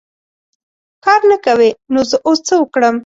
کار نه کوې ! نو زه اوس څه وکړم .